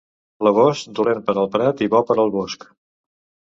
L'agost, dolent per al prat i bo per al bosc.